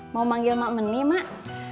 mau manggil mak meni mak